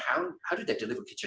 saya melakukan hal hal kecil